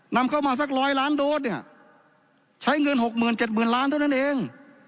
นำเข้ามาสักร้อยล้านโดสเนี้ยใช้เงินหกหมื่นเจ็ดหมื่นล้านเท่านั้นเอง